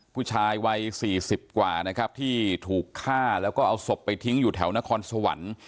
ผู้ชายวัย๔๐กว่านะครับที่ถูกฆ่าแล้วก็เอาศพไปทิ้งอยู่แถวนครสวรรค์